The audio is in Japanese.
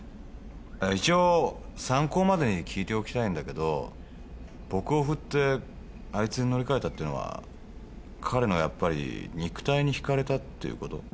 一応参考までに聞いておきたいんだけど僕を振ってあいつに乗り替えたっていうのは彼のやっぱり肉体に惹かれたっていうこと？